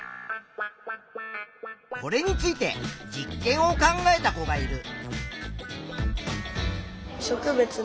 これについて実験を考えた子がいる。